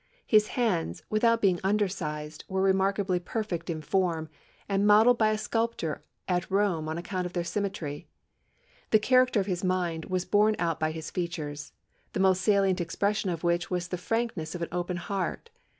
His hands, without being under sized, were remarkably perfect in form, and modelled by a sculptor at Rome on account of their symmetry. The character of his mind was borne out by his features, the most salient expression of which was the frankness of an open heart.